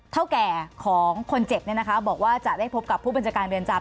เท่าแก่ของคนเจ็บเนี่ยนะคะบอกว่าจะได้พบกับผู้บรรจการเรียนจำ